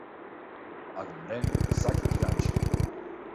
A Gombrèn, sac i ganxo.